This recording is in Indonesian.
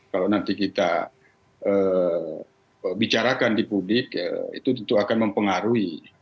kalau nanti kita bicarakan di publik itu tentu akan mempengaruhi